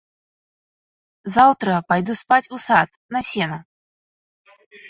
Заўтра пайду спаць у сад, на сена.